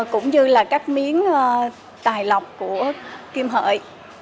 cũng như là các miếng tài lọc của kim hợi